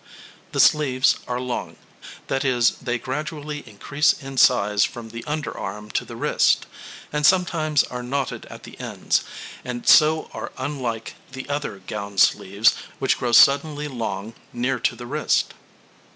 The sleeves are long that is, they gradually increase in size from the underarm to the wrist, and sometimes are knotted at the ends, and so are unlike the other gown sleeves, which grow suddenly long near to the wrist.